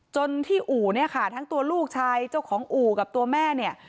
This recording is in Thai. จนที่อู่เนี่ยค่ะทั้งตัวลูกชายเจ้าของอู่กับตัวแม่เนี่ย